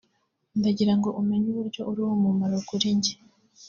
ndagira ngo umenye uburyo uri uw'umumaro kuri njye